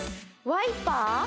ワイパー？